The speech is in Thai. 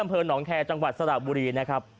บรรพย์หนองแคจังหวัดสระบุรีนะครับ